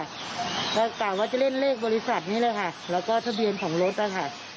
ก็กล่าวว่าจะเล่นเลขบริษัทนี้เลยค่ะแล้วก็ทะเบียนของรถนะคะ